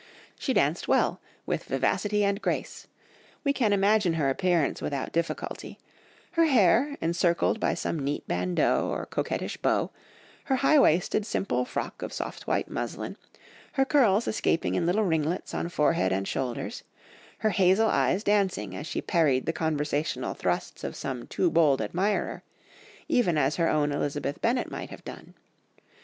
She danced well, with vivacity and grace; we can imagine her appearance without difficulty; her hair encircled by some neat bandeau or coquettish bow, her high waisted simple frock of soft white muslin, her curls escaping in little ringlets on forehead and shoulders, her hazel eyes dancing as she parried the conversational thrusts of some too bold admirer, even as her own Elizabeth Bennet might have done.